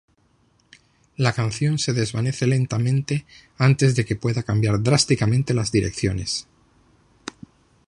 La canción se desvanece lentamente antes de que pueda cambiar drásticamente las direcciones.